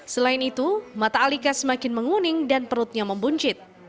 selain itu mata alika semakin menguning dan perutnya membuncit